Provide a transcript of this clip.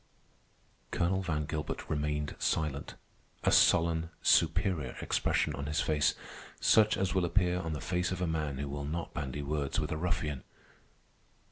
Colonel Van Gilbert remained silent, a sullen, superior expression on his face, such as will appear on the face of a man who will not bandy words with a ruffian.